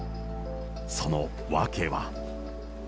その訳は。